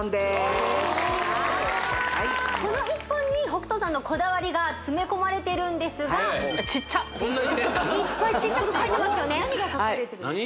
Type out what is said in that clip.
この一本に北斗さんのこだわりが詰め込まれてるんですがちっちゃいっぱいちっちゃく書いてますよね何が書かれてるんですか？